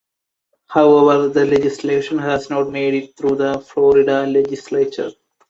However, the legislation has not made it through the Florida Legislature.